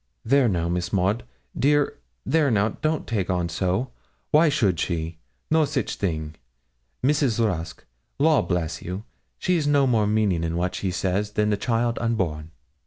'There now, Miss Maud, dear there now, don't take on so why should she? no sich a thing. Mrs. Rusk, law bless you, she's no more meaning in what she says than the child unborn.'